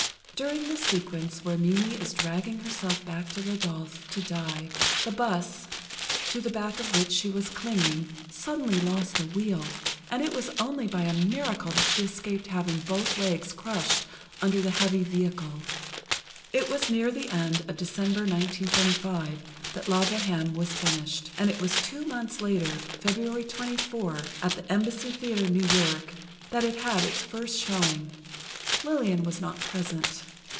During the sequence where Mimi is dragging herself back to Rodolphe, to die—the bus, to the back of which she was clinging, suddenly lost a wheel, and it was only by a miracle that she escaped having both legs crushed under the heavy vehicle." It was near the end of December, 1925, that "La Bohême" was finished, and it was two months later, February 24, at the Embassy Theatre, New York, that it had its first showing. Lillian was not present.